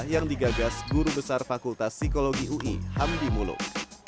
yang digagas guru besar fakultas psikologi ui hamdi muluk